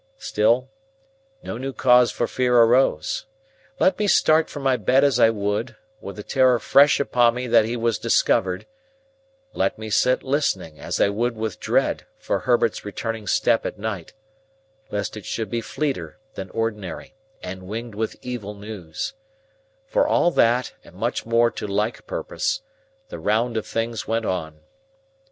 Still, no new cause for fear arose. Let me start from my bed as I would, with the terror fresh upon me that he was discovered; let me sit listening, as I would with dread, for Herbert's returning step at night, lest it should be fleeter than ordinary, and winged with evil news,—for all that, and much more to like purpose, the round of things went on.